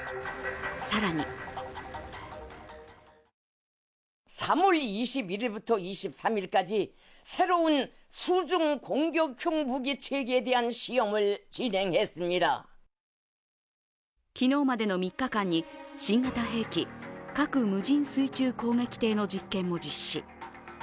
更に昨日までの３日間に新型兵器核無人水中攻撃艇の実験も実施。